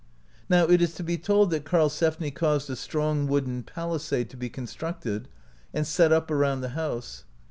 Now it is to be told that Karlsefni caused a strong wooden palisade to be con structed and set up around the house.